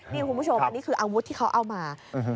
นี่คุณผู้ชมอันนี้คืออาวุธที่เขาเอามา